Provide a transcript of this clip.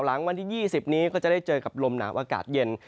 หลังวันที่๒๐นี้ก็จะได้เจอกับลมหนาวอากาศเย็น